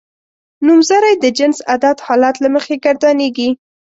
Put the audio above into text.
نومځری د جنس عدد حالت له مخې ګردانیږي.